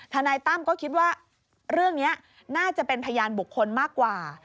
นายตั้มก็คิดว่าเรื่องนี้น่าจะเป็นพยานบุคคลมากกว่า